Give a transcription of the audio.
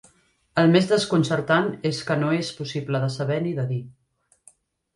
El més desconcertant és que no és possible de saber ni de dir.